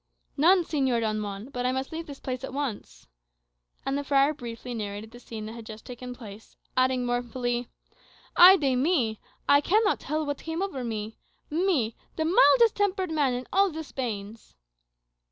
"None, Señor Don Juan. But I must leave this place at once." And the friar briefly narrated the scene that had just taken place, adding mournfully, "Ay de mi! I cannot tell what came over me me, the mildest tempered man in all the Spains!"